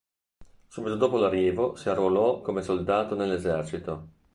Subito dopo l'arrivo si arruolò come soldato nel esercito.